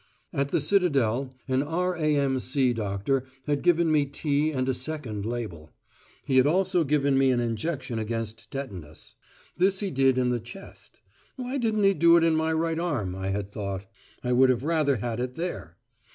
At the Citadel an R.A.M.C. doctor had given me tea and a second label. He had also given me an injection against tetanus. This he did in the chest. Why didn't he do it in my right arm, I had thought: I would have rather had it there.